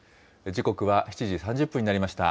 時刻は７時３０分になりました。